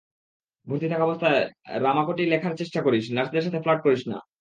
ভর্তি থাকাবস্থায় রামাকোটি লেখার চেষ্টা করিস, নার্সদের সাথে ফ্লার্ট করিস না।